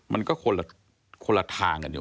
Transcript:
มันก็คนละทางกันอยู่